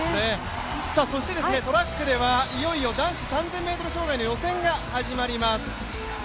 そして、トラックではいよいよ男子３０００ｍ障害の予選が始まります。